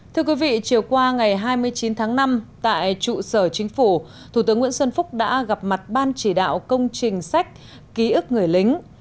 thưa quý vị chiều qua ngày hai mươi chín tháng năm tại trụ sở chính phủ thủ tướng nguyễn xuân phúc đã gặp mặt ban chỉ đạo công trình sách ký ức người lính